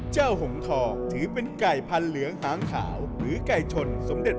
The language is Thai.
หงทองถือเป็นไก่พันเหลืองหางขาวหรือไก่ชนสมเด็จ